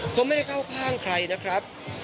เขาไม่ได้เข้าข้างใครนะครับ